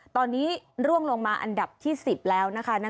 ตอนนี้ร่วงลงมาอันดับที่๑๐แล้วนะคะ